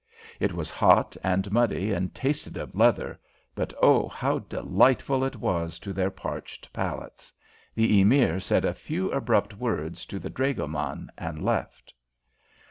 It was hot and muddy and tasted of leather, but, oh, how delightful it was to their parched palates! The Emir said a few abrupt words to the dragoman and left.